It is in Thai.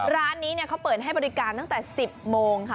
ร้านนี้เขาเปิดให้บริการตั้งแต่๑๐โมงค่ะ